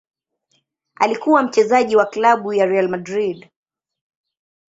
Alikuwa mchezaji wa klabu ya Real Madrid.